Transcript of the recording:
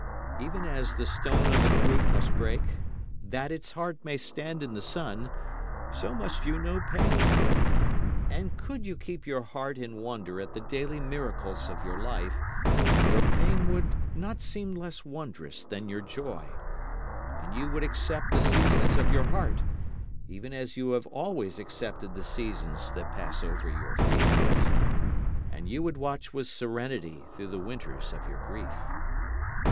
Even as the stone of the fruit must break, that its heart may stand in the sun, so must you know pain. And could you keep your heart in wonder at the daily miracles of your life, your pain would not seem less wondrous than your joy; And you would accept the seasons of your heart, even as you have always accepted the seasons that pass over your fields. And you would watch with serenity through the winters of your grief.